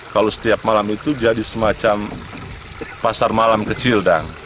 kalau setiap malam itu jadi semacam pasar malam kecil